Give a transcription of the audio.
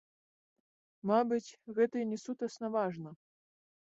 Мабыць, гэта і не сутнасна важна.